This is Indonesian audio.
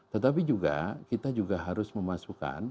tetapi juga kita juga harus memasukkan